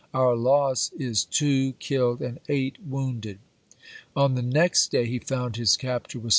Our loss is two killed and eight wounded." isSf^'w^ii. On the next day he found his capture was still V.